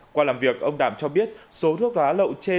qua làm việc ông đảm cho biết số thuốc lá lậu trên